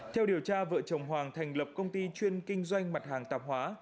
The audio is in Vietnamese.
theo điều tra vợ chồng hoàng thành lập công ty chuyên kinh doanh mặt hàng tạp hóa